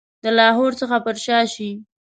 د لاهور څخه پر شا شي.